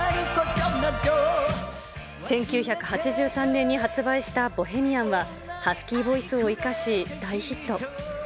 １９８３年に発売したボヘミアンは、ハスキーボイスを生かし、大ヒット。